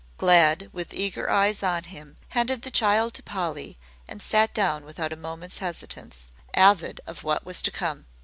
Glad with eager eyes on him handed the child to Polly and sat down without a moment's hesitance, avid of what was to come.